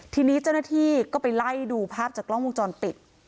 ทีนี้เจ้าหน้าที่ก็ไปไล่ดูภาพจากกล้องวงจรปิด